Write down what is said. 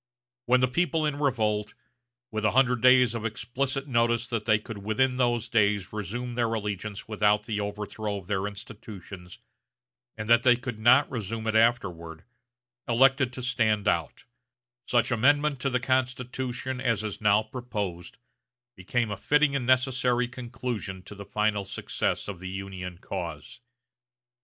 When the people in revolt, with a hundred days of explicit notice that they could within those days resume their allegiance without the overthrow of their institutions, and that they could not resume it afterward, elected to stand out, such amendment to the Constitution as is now proposed became a fitting and necessary conclusion to the final success of the Union cause....